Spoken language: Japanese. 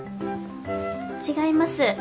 違います。